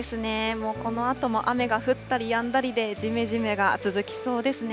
もうこのあとも雨が降ったりやんだりでじめじめが続きそうですね。